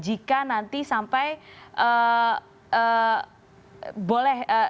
jika nanti sampai boleh